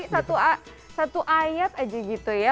gimana sih satu ayat aja gitu ya